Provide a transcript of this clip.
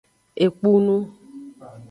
Ekpunu.